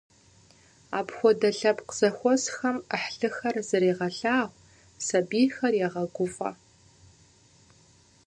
Апхуэдэ лъэпкъ зэхуэсхэм Ӏыхьлыхэр зэрегъэлъагъу, сабийхэр егъэгуфӏэ.